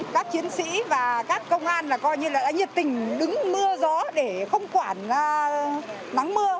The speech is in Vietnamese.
các chiến sĩ và các công an là coi như là đã nhiệt tình đứng mưa gió để không quản nắng mưa